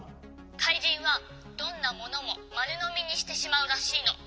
「かいじんはどんなものもまるのみにしてしまうらしいの。